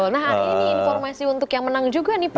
nah hari ini informasi untuk yang menang juga nih pak